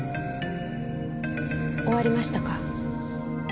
終わりましたか？